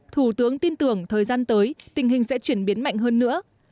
theo thủ tướng thời gian tới tình hình sẽ chuyển biến mạnh hơn nữa